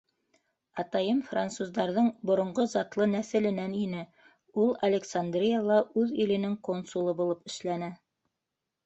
Атайым француздарҙың боронғо затлы нәҫеленән ине, ул Александрияла үҙ иленең консулы булып эшләне.